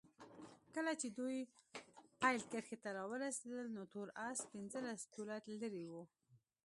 کله چې دوی پیل کرښې ته راورسېدل نو تور اس پنځلس طوله لرې وو.